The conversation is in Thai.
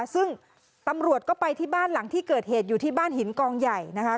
ซึ่งตำรวจก็ไปที่บ้านหลังที่เกิดเหตุอยู่ที่บ้านหินกองใหญ่นะคะ